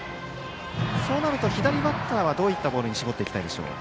そうなると左バッターはどういうボールに絞っていきたいでしょうか。